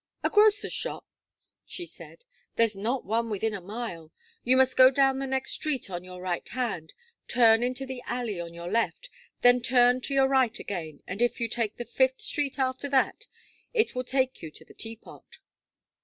"A grocer's shop?" she said, "there's not one within a mile. You must go down the next street on your right hand, turn into the alley on your left, then turn to your right again, and if you take the fifth street after that, it will take you to the Teapot."